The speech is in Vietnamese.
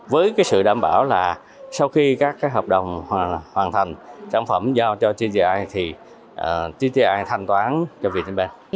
với sự đảm bảo là sau khi các hợp đồng hoàn thành sản phẩm giao cho tci thì tti thanh toán cho viettelbank